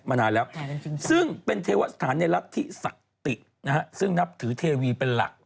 มานานแล้วซึ่งเป็นเทวศาลในลักษณ์ที่ศักดิ์ซึ่งนับถือเทวีเป็นหลัก